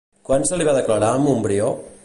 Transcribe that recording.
Quan se li va declarar en Montbrió?